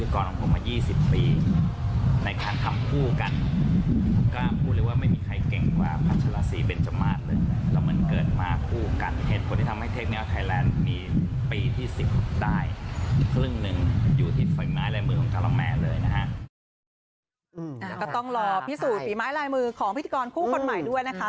ก็ต้องรอพิสูจนฝีไม้ลายมือของพิธีกรคู่คนใหม่ด้วยนะคะ